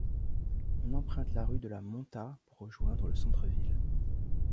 On emprunte la rue de la Montat pour rejoindre le centre ville.